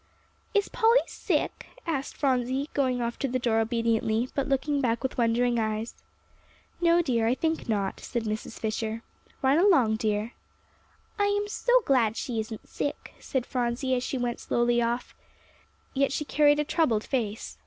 "Is Polly sick?" asked Phronsie, going off to the door obediently, but looking back with wondering eyes. "No, dear, I think not," said Mrs. Fisher. "Run along, dear." "I am so glad she isn't sick," said Phronsie, as she went slowly off. Yet she carried a troubled face.